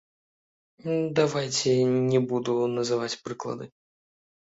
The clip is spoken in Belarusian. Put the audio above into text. Давайце не буду называць прыклады.